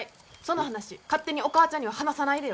その話勝手にお母ちゃんには話さないでよ。